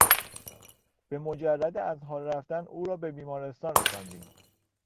به مجرد از حال رفتن او را به بیمارستان رساندیم.